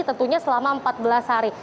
tentunya selama empat belas hari